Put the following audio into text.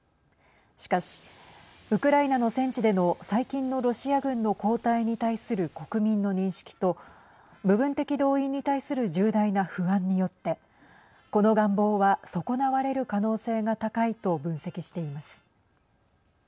しかし、ウクライナの戦地での最近のロシア軍の後退に対する国民の認識と部分的動員に対する重大な不安によってこの願望は損なわれる可能性が高いと分析しています。